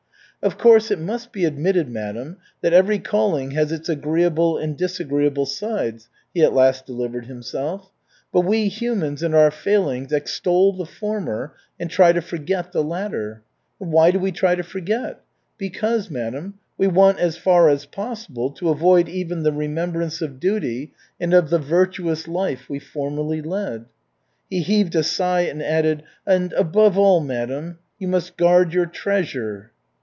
"Of course, it must be admitted, madam, that every calling has its agreeable and disagreeable sides," he at last delivered himself, "but we humans in our failings extol the former and try to forget the latter. And why do we try to forget? Because, madam, we want as far as possible to avoid even the remembrance of duty and of the virtuous life we formerly led." He heaved a sigh and added, "And above all, madam, you must guard your treasure."